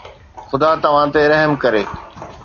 خدا توهان تي رحم ڪري